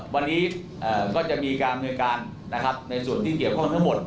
วันนี้เอ่อก็จะมีการเงินการนะครับในส่วนที่เกี่ยวข้องทั้งหมด